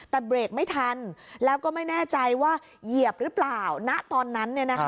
แต่เบรกไม่ทันแล้วก็ไม่แน่ใจว่าเหยียบหรือเปล่าณตอนนั้น